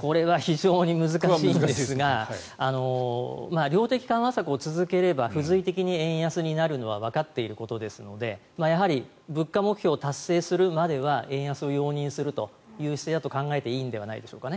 これは非常に難しいんですが量的緩和策を続ければ付随的に円安が続くのはわかっていることですのでやはり物価目標を達成するまでは円安を容認するという姿勢だと考えていいんじゃないでしょうか。